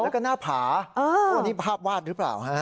แล้วก็หน้าผาโอ้นี่ภาพวาดหรือเปล่าฮะ